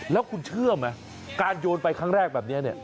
แล้วคุณเชื่อไหมการโยนไปครั้งแรกแบบนี้เนี่ย